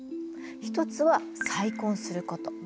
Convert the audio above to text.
一つは再婚すること。